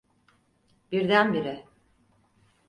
Birdenbire.